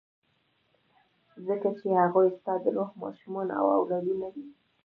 ځکه چې هغوی ستا د روح ماشومان او اولادونه دي.